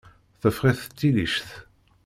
Teffeɣ-it tillict.